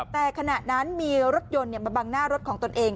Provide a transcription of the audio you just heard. แต่ขณะนั้นมีรถยนต์มาบังหน้ารถของตนเอง